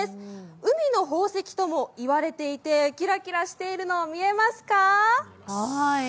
海の宝石ともいわれていてキラキラしているの、見えますか？